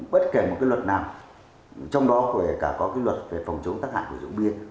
bất kể một cái luật nào trong đó kể cả có cái luật về phòng chống tác hại của rượu bia